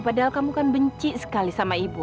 padahal kamu kan benci sekali sama ibu